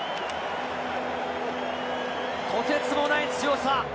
とてつもない強さ。